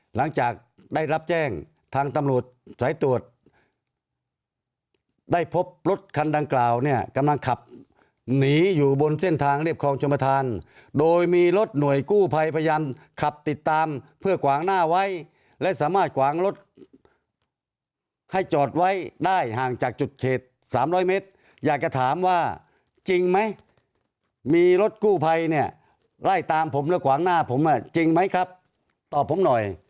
หลังจากได้รับแจ้งทางตำรวจสายตรวจได้พบรถคันดังกล่าวเนี่ยกำลังขับหนีอยู่บนเส้นทางเรียบคลองชมประธานโดยมีรถหน่วยกู้ภัยพยายามขับติดตามเพื่อขวางหน้าไว้และสามารถกวางรถให้จอดไว้ได้ห่างจากจุดเขต๓๐๐เมตรอยากจะถามว่าจริงไหมมีรถกู้ภัยเนี่ยไล่ตามผมและขวางหน้าผมจริงไหมครับตอบผมหน่อย